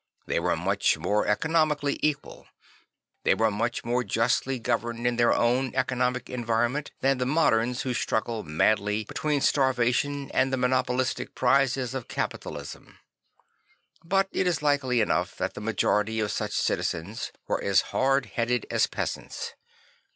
They were much more econ omically equal, they were much more justly governed in their own economic environment, than the moderns who struggle madly between starvation and the monopolist prizes of capital ism; but it is likely enough that the majority of such citizens were as hard headed as peasants.